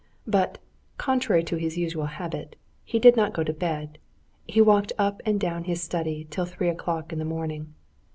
But, contrary to his usual habit, he did not go to bed, he walked up and down his study till three o'clock in the morning.